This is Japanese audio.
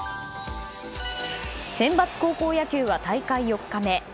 センバツ高校野球は大会４日目。